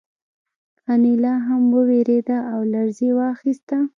انیلا هم وورېده او لړزې واخیسته